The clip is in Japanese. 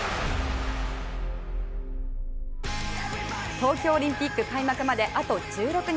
東京オリンピック開幕まであと１６日。